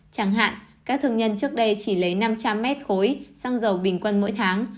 chẳng hạn các thương nhân trước đây chỉ lấy năm trăm linh mét khối xăng dầu bình quân mỗi tháng